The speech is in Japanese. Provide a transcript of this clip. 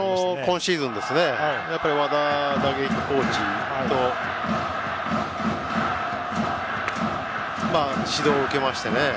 今シーズン和田打撃コーチの指導を受けましてね。